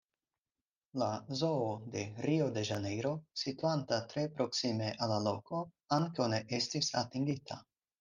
La Zoo de Rio-de-Ĵanejro, situanta tre proksime al la loko, ankaŭ ne estis atingita.